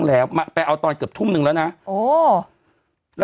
แล้วเรากลับมาปุ๊บ